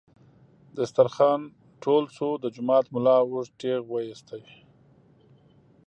دسترخوان ټول شو، د جومات ملا اوږد ټېغ ویست.